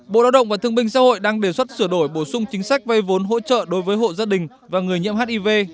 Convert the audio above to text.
bộ lao động và thương binh xã hội đang đề xuất sửa đổi bổ sung chính sách vay vốn hỗ trợ đối với hộ gia đình và người nhiễm hiv